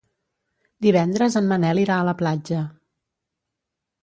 Divendres en Manel irà a la platja.